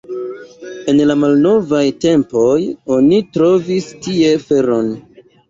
En la malnovaj tempoj oni trovis tie feron.